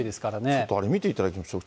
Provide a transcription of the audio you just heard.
ちょっとあれ、見ていただきましょう。